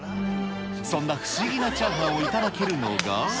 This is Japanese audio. そんな不思議なチャーハンを頂けるのが。